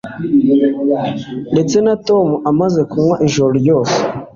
Ndetse na Tom amaze kunywa ijoro ryose